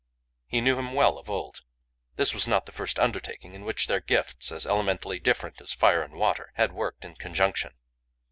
He knew him well of old. This was not the first undertaking in which their gifts, as elementally different as fire and water, had worked in conjunction.